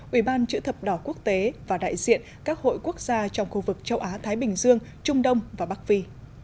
ủy ban chữ thập đỏ quốc tế và đại diện các hội quốc gia trong khu vực châu á thái bình dương trung đông và bắc phi